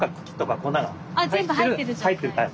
あ全部入ってる状態。